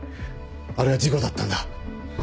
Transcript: あれは事故だったんだ。